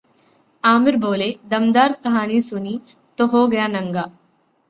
आमिर बोले, दमदार कहानी सुनी तो हो गया नंगा